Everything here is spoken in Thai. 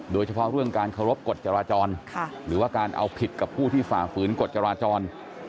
โดยเฉพาะเรื่องการเคารพกฎจราจรหรือว่าการเอาผิดกับผู้ที่ฝ่าฝืนกฎจราจร